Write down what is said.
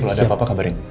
kalau ada apa apa kabarin